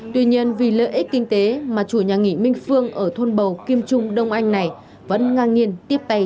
tuy nhiên vì lợi ích kinh tế mà chủ nhà nghỉ minh phương ở thôn bầu kim trung đông anh này vẫn ngang nhiên tiếp tay